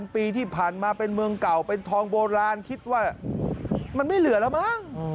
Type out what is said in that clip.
ปีที่ผ่านมาเป็นเมืองเก่าเป็นทองโบราณคิดว่ามันไม่เหลือแล้วมั้ง